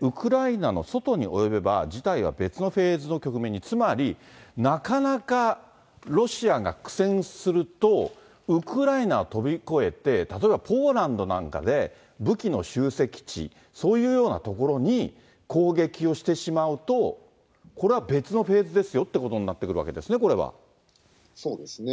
ウクライナの外に及べば、事態は別のフェーズの局面に、つまり、なかなか、ロシアが苦戦すると、ウクライナ飛び越えて、例えばポーランドなんかで武器の集積地、そういうような所に攻撃をしてしまうと、これは別のフェーズですよっていうことになってくるわけですよね、そうですね。